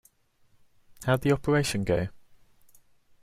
How'd the operation go?